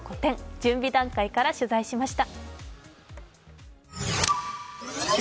準備段階から取材しました。